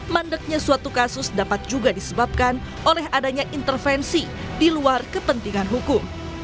mandeknya suatu kasus dapat juga disebabkan oleh adanya intervensi di luar kepentingan hukum